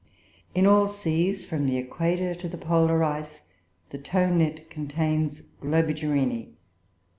In all seas, from the equator to the polar ice, the tow net contains Globigerinoe.